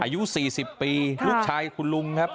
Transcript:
อายุ๔๐ปีลูกชายคุณลุงครับ